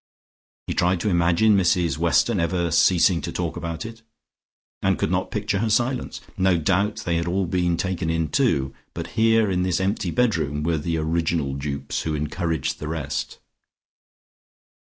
He tried to imagine Mrs Weston ever ceasing to talk about it, and could not picture her silence. No doubt they had all been taken in, too, but here in this empty bedroom were the original dupes, who encouraged the rest.